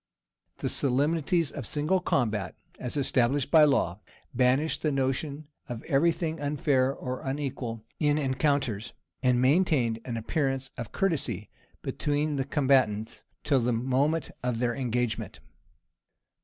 The solemnities of single combat, as established by law, banished the notion of every thing unfair or unequal in rencounters, and maintained an appearance of courtesy between the combatants till the moment of their engagement.